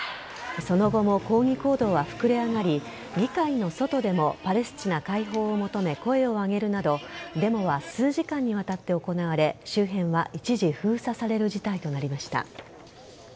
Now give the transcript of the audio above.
その後も抗議行動は膨れ上がり議会の外でもパレスチナ解放を求め声を上げるなどデモは数時間にわたって行われ周辺は一時封鎖される事態となりました。